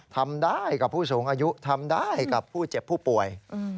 ทำได้กับผู้สูงอายุทำได้กับผู้เจ็บผู้ป่วย